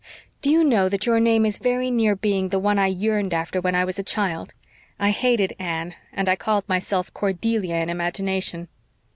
Do you know that your name is very near being the one I yearned after when I was a child. I hated 'Anne' and I called myself 'Cordelia' in imagination."